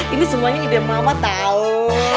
ini semuanya ide mama tahu